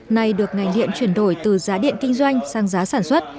này được ngành điện chuyển đổi từ giá điện kinh doanh sang giá sản xuất